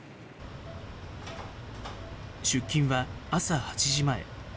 出勤は朝８時前。